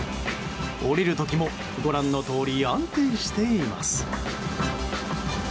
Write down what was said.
降りる時も、ご覧のとおり安定しています。